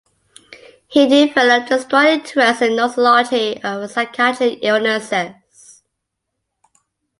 He developed a strong interest in nosology of psychiatric illnesses.